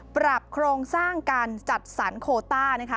ปรับโครงสร้างการจัดสรรโคต้านะคะ